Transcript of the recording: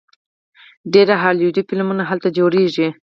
ډیر هالیوډ فلمونه هلته جوړیږي.